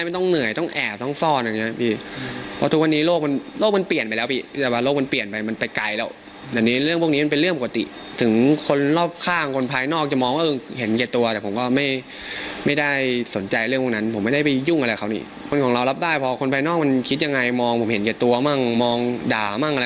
มองด่ามั่งอะไรมั่งผมไม่ได้สนใจผมไม่ได้ขอกินเออทำให้ได้